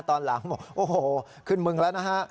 ตอนหลังบอกโอ้โหขึ้นมึงแล้วนะฮะ